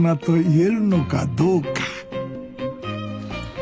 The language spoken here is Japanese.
え？